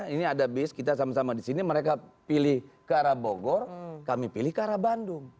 ini ada bis kita sama sama di sini mereka pilih ke arah bogor kami pilih ke arah bandung